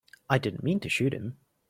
I didn't mean to shoot him.